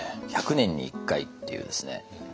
１００年に１回っていうですね